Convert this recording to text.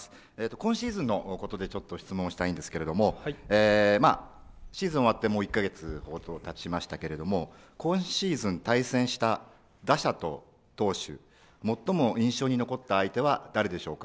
今シーズンのことで、ちょっと質問をしたいんですけれども、まあシーズン終わってもう１か月ほどたちましたけれども、今シーズン、対戦した打者と投手、最も印象に残った相手は誰でしょうか。